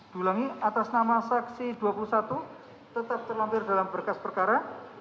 dulangi atas nama saksi dua puluh satu tetap terlampir dalam berkas perkara